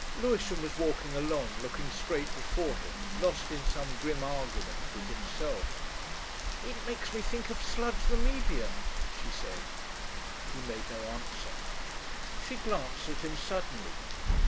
Lewisham was walking along, looking straight before him, lost in some grim argument with himself. "It makes me think of Sludge the Medium," she said. He made no answer. She glanced at him suddenly.